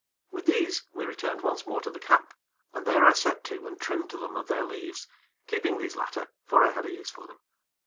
With these we returned once more to the camp, and there I set to and trimmed them of their leaves, keeping these latter, for I had a use for them.